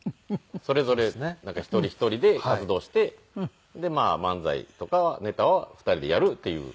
それぞれ一人一人で活動してで漫才とかネタは２人でやるっていう。